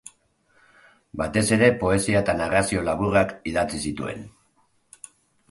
Batez ere poesia eta narrazio laburrak idatzi zituen.